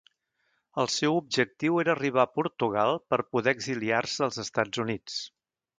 El seu objectiu era arribar a Portugal per poder exiliar-se als Estats Units.